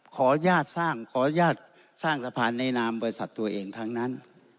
ขออนุญาตสร้างสะพานในนามบริษัทตัวเองทั้งนั้น